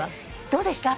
どうでした？